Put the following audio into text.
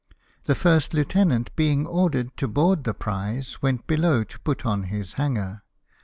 The first lieutenant being ordered to board the prize, went below to put on his hanger.